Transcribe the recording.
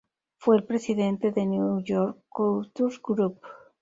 Fue el presidente del New York Couture Group.